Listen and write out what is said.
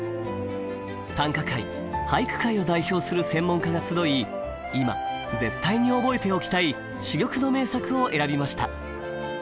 短歌界俳句界を代表する専門家が集い今絶対に覚えておきたい珠玉の名作を選びました。